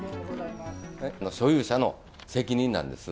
所有者の責任なんです。